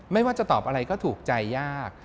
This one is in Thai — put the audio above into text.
ไม่ว่าจะตอบอะไรก็ถูกใจยาก